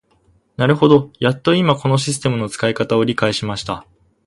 なるほど、やっと今このシステムの使い方を理解しました。